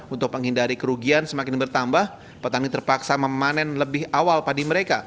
untuk menghindari kerugian semakin bertambah petani terpaksa memanen lebih awal padi mereka